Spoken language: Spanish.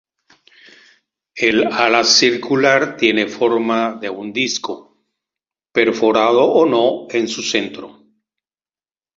El ala circular tiene forma un disco, perforado o no en su centro.